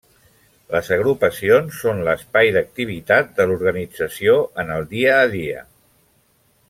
Les agrupacions són l'espai d'activitat de l'organització en el dia a dia.